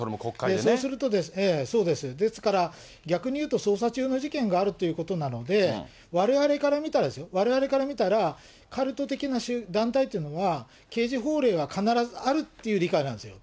そうすると、ですから、逆に言うと、捜査中の事件があるということなので、われわれから見たら、カルト的な団体というのは、刑事法令は必ずあるっていう理解なんですよ。